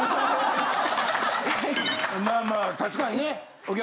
まあまあ確かにね。